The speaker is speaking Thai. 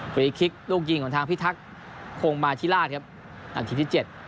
ฟรีคลิกลูกยิงของทางพิทักษ์คงมาธิราชครับนาทีที่เจ็ด